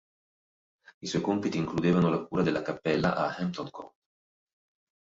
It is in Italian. I suoi compiti includevano la cura della cappella a Hampton Court.